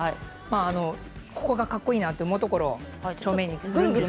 ここが、かっこいいなと思うところを正面に。